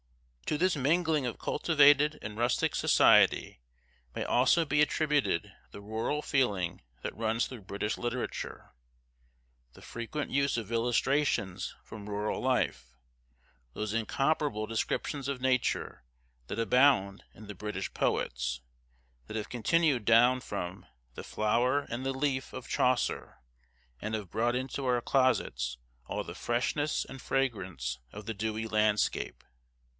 To this mingling of cultivated and rustic society may also be attributed the rural feeling that runs through British literature; the frequent use of illustrations from rural life; those incomparable descriptions of Nature, that abound in the British poets that have continued down from "The Flower and the Leaf," of Chaucer, and have brought into our closets all the freshness and fragrance of the dewy landscape.